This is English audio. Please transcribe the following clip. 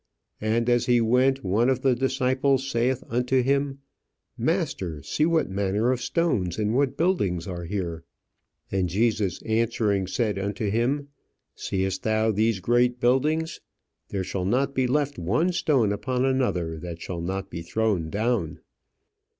"And as he went, one of the disciples saith unto him, 'Master, see what manner of stones and what buildings are here.' And Jesus answering, said unto him, 'Seest thou these great buildings? There shall not be left one stone upon another that shall not be thrown down.'"